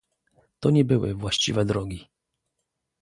To nie były właściwe drogi